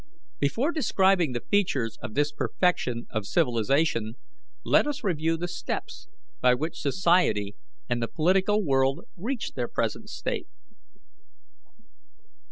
Before describing the features of this perfection of civilization, let us review the steps by which society and the political world reached their present state.